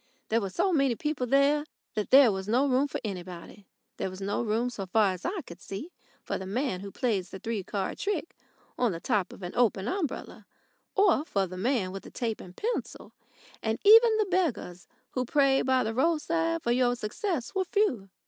There were so many people there that there was no room for anybody. There was no room, so far as I could see, for the man who plays the three card trick on the top of an open umbrella, or for the man with the tape and pencil, and even the beggars who prayed by the roadside for your success were few.